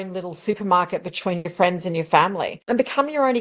dan menciptakan perusahaan kecil anda sendiri antara teman dan keluarga anda